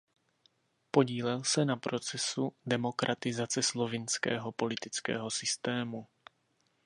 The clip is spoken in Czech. Podílel se na procesu demokratizace slovinského politického systému.